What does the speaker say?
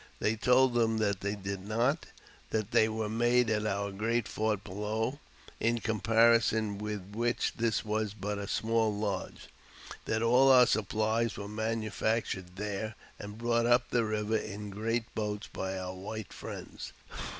They told them that they did not ; that ey were made at our great fort below in comparison with which this was but a small lodge ; that all our supplies were ] 1 304 AUTOBIOGBAPHY OF manufactured there, and brought up the river in great boatj by our white friends.